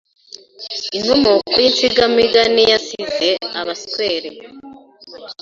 Inkomoko y’Insigamigani Yazize Abaswere